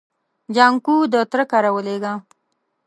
جانکو د تره کره ولېږه.